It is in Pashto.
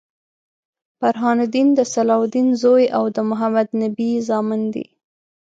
برهان الدين د صلاح الدین زوي او د محمدنبي زامن دي.